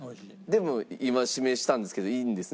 でも今指名したんですけどいいんですね？